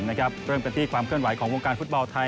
เรื่องการพันตี้ความเคลื่อนไหวของโวงการฟูตเบาไทย